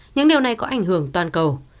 những điều này có ảnh hưởng toàn cầu